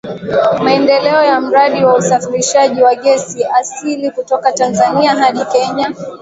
Maendeleo ya mradi wa usafirishaji wa gesi asilia kutoka Tanzania hadi Kenya